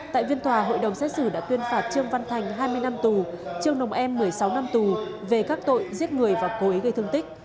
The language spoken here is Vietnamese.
tại phiên tòa hội đồng xét xử đã tuyên phạt trương văn thành hai mươi năm tù trương em một mươi sáu năm tù về các tội giết người và cố ý gây thương tích